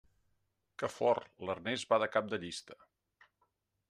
Que fort, l'Ernest va de cap de llista.